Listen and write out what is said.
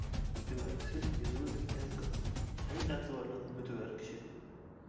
دېمەك، سىز يېزىمىزدىكى ئەڭ كاتتا، ئەڭ ئەتىۋارلىق، مۆتىۋەر كىشى.